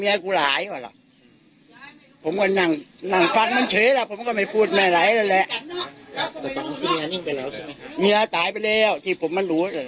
มียาตายไปแล้วที่ผมไม่รู้เลยแหละ